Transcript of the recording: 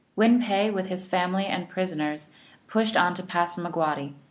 Win pe with his family and prisoners pushed on to Passanioogwaddy (M.)